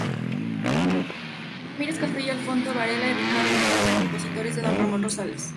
Ramírez Castillo, Alfonso Varela y Ricardo r. Opositores de don Ramón Rosales.